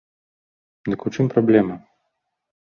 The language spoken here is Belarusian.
Дык у чым праблема?